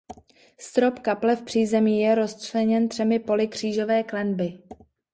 Strop kaple v přízemí je rozčleněn třemi poli křížové klenby.